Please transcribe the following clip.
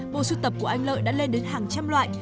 bộ sưu tập của anh lợi đã lên đến hàng trăm loại